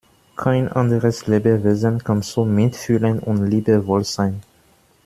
Kein anderes Lebewesen kann so mitfühlend und liebevoll sein.